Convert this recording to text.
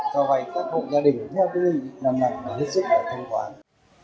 cho vay các hộ gia đình theo nghị định năm năm là hết sức thông thoáng